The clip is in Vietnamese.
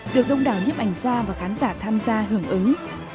được đông đảo nhấp ảnh ra và khán giả tham gia hưởng ứng